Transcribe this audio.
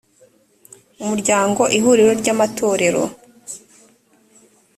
umuryango ihuriro ry’amatorero